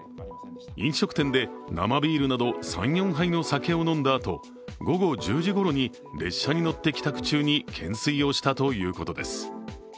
飲食店で生ビールなど３４杯の酒を飲んだあと、午後１０時ごろに列車に乗って帰宅中に懸垂をしたということです。